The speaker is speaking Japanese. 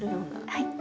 はい。